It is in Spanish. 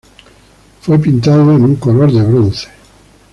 Fue pintado en un color de bronce.